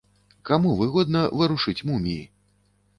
Каму выгодна варушыць муміі?